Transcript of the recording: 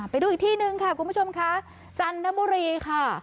ไปดูอีกที่หนึ่งค่ะคุณผู้ชมค่ะจันทบุรีค่ะ